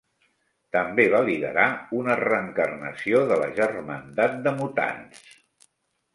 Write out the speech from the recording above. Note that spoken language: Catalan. També va liderar una reencarnació de la Germandat de mutants.